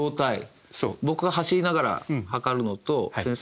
僕が走りながら測るのと先生が。